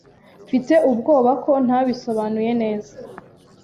Mfite ubwoba ko ntabisobanuye neza.